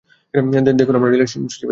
দেখুন, আমরা রিলেশনশীপে ছিল।